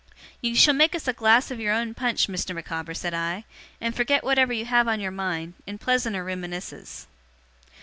'You shall make us a glass of your own punch, Mr. Micawber,' said I, 'and forget whatever you have on your mind, in pleasanter reminiscences.